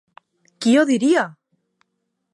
Qui ho diria!